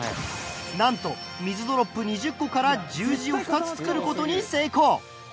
なんと水ドロップ２０個から十字を２つ作る事に成功！